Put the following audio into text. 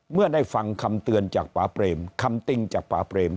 เมื่อได้ฟังคำเตือนจากป่าเปรมคำติ้งจากป่าเปรม